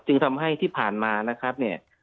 ทำให้ที่ผ่านมานะครับเนี่ย